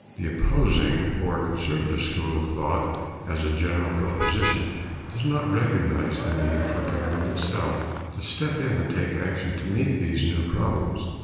The opposing or conservative school of thought, as a general proposition, does not recognize the need for government itself to step in and take action to meet these new problems.